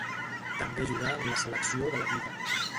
També jugà amb la selecció de la lliga.